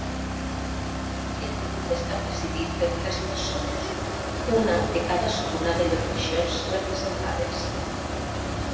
El grup està presidit per tres persones, una de cadascuna de les regions representades.